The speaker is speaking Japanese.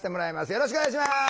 よろしくお願いします。